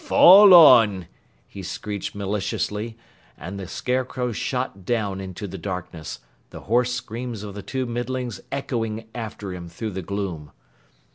"Fall on!" he screeched maliciously, and the Scarecrow shot down into the darkness, the hoarse screams of the two Middlings echoing after him through the gloom.